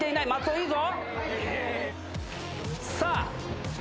いいぞ。